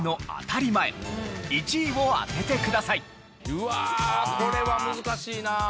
うわあこれは難しいなあ。